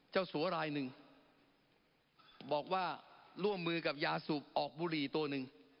สัวรายหนึ่งบอกว่าร่วมมือกับยาสูบออกบุหรี่ตัวหนึ่ง